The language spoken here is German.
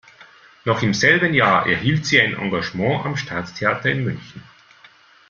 Noch im selben Jahr erhielt sie ein Engagement am Staatstheater in München.